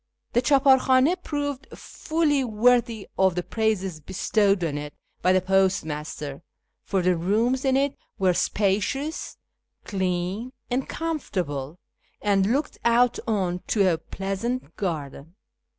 The chdpAr l^Jidnd proved fully worthy of the praises bestowed on it by the postmaster, for the rooms in it were spacious, clean, and comfortable, and looked out on to a pleasant garden.